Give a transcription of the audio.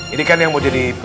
ini kan yang mau jadi